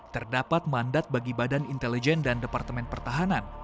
terdapat mandat bagi badan intelijen dan departemen pertahanan